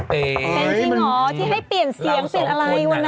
เป็นจริงเหรอที่ให้เปลี่ยนเสียงเปลี่ยนอะไรวันนั้น